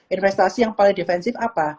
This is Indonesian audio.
investasi yang paling defensif apa